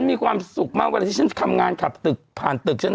ฉันมีความสุขมากกว่าที่ข้ำงานขับตึกผ่านตึกฉันนะ